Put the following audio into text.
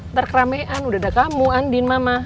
ntar keramaian udah ada kamu andin mama